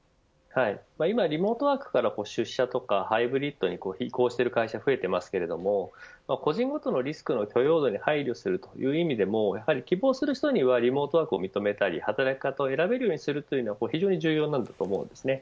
今、リモートワークから出社とかハイブリッドに移行している会社が増えてますけども個人ごとのリスクの許容度に配慮するという意味でもやはり希望する人にはリモートワークを認めたり働き方を選べるようにすることも重要です。